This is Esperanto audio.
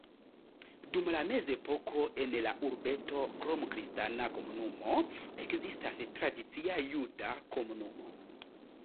Dum la mezepoko en la urbeto krom kristana komunumo ekzistis tradicia juda komunumo.